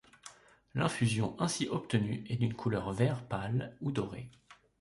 L'infusion ainsi obtenue est d'une couleur vert pale ou dorée.